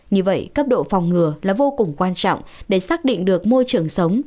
như vậy cấp độ phòng ngừa là vô cùng quan trọng để xác định được môi trường sống